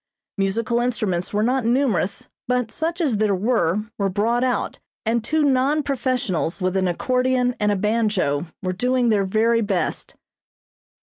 Musical instruments were not numerous, but such as there were, were brought out, and two non professionals with an accordion and a banjo, were doing their very best.